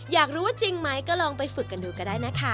อยากรู้ว่าจริงไหมก็ลองไปฝึกกันดูก็ได้นะคะ